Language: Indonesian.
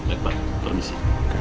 oke pak permisi